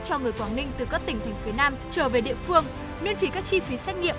cho người quảng ninh từ các tỉnh thành phía nam trở về địa phương miễn phí các chi phí xét nghiệm